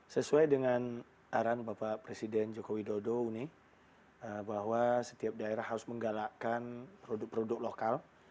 sesuai dengan arahan bapak presiden joko widodo ini bahwa setiap daerah harus menggalakkan produk produk lokal